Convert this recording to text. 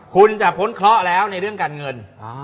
คุณจะพ้นเคราะห์แล้วในเรื่องการเงิน